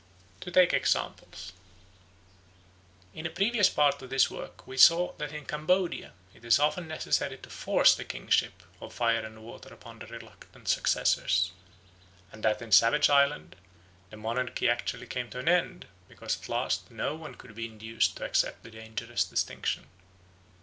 To take examples. In a previous part of this work we saw that in Cambodia it is often necessary to force the kingships of Fire and Water upon the reluctant successors, and that in Savage Island the monarchy actually came to an end because at last no one could be induced to accept the dangerous distinction.